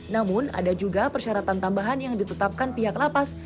namun ada juga persyaratan tambahan yang ditetapkan pihak lapas